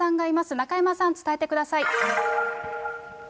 中山さん、伝えてください。